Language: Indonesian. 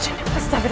saya ter force dujrur